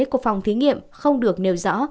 của phòng thí nghiệm không được nêu rõ